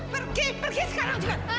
pergi pergi sekarang juga